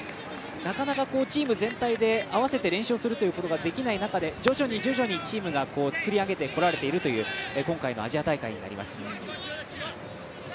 なかなかチーム全体で合わせて練習をすることができない中で、徐々にチームを作り上げてこられているという今回のアジア大会になります。